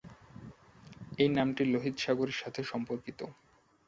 এই নামটি লোহিত সাগরের সাথে সম্পর্কিত।